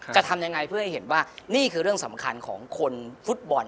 จะทำยังไงเพื่อให้เห็นว่านี่คือเรื่องสำคัญของคนฟุตบอล